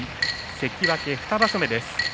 関脇２場所目です。